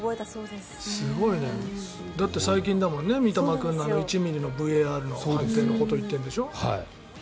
すごいねだって最近だもんね、三笘君の１ｍｍのＶＡＲの判定のことを言ってるんでしょ。